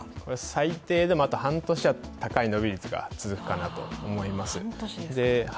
最低でまだ半年は高い伸び率が続くかなと思います。